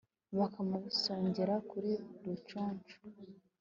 bakamusongera ku rucunshu